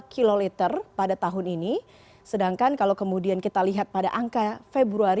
keranaarnya harga raiser utility driver dan